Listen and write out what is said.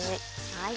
はい。